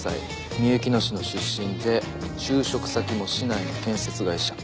みゆきの市の出身で就職先も市内の建設会社。